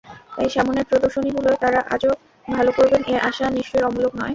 তাই সামনের প্রদর্শনীগুলোয় তাঁরা আরও ভালো করবেন—এ আশা নিশ্চয় অমূলক নয়।